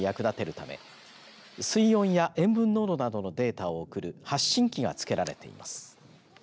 ため水温や塩分濃度などのデータを送る発信器が付けられています。